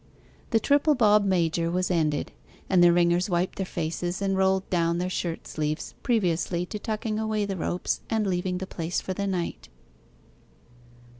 The triple bob major was ended, and the ringers wiped their faces and rolled down their shirt sleeves, previously to tucking away the ropes and leaving the place for the night.